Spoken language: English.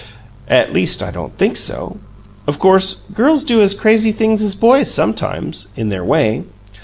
"At least, I don't THINK so. Of course girls do as crazy things as boys sometimes in their way.